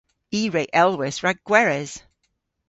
I re elwis rag gweres.